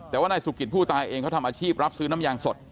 แต่ว่านายสุกิตผู้ตายเองเขาทำอาชีพรับซื้อน้ำยางสด